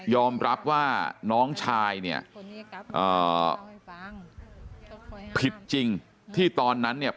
อมรับว่าน้องชายเนี่ยผิดจริงที่ตอนนั้นเนี่ย